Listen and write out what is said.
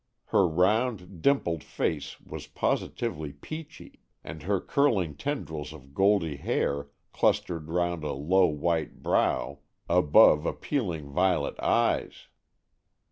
Her round, dimpled face was positively peachy, and her curling tendrils of goldy hair clustered round a low white brow, above appealing violet eyes.